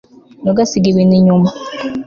ntugasige ibintu inyuma